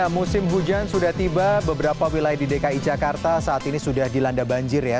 musim hujan sudah tiba beberapa wilayah di dki jakarta saat ini sudah dilanda banjir ya